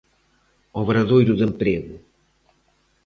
Obradoiro de emprego.